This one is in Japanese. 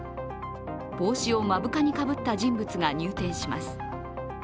帽子を目深にかぶった人物が入店します。